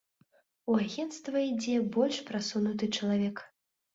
У агенцтва ідзе больш прасунуты чалавек.